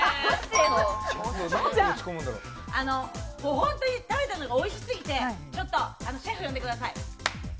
本当に食べたのがおいしすぎて、シェフ呼んでください。